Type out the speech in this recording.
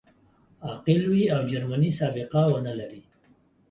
عاقل وي او جرمي سابقه و نه لري.